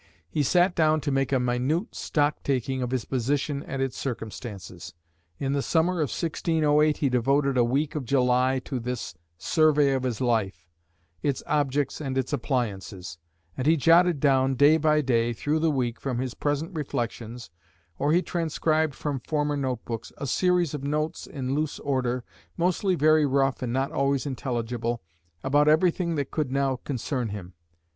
He sat down to make a minute stock taking of his position and its circumstances. In the summer of 1608 he devoted a week of July to this survey of his life, its objects and its appliances; and he jotted down, day by day, through the week, from his present reflections, or he transcribed from former note books, a series of notes in loose order, mostly very rough and not always intelligible, about everything that could now concern him.